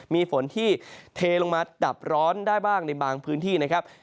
มีฝนที่เทลงมาดับร้อนได้บ้างในบางพื้นที่นะครับ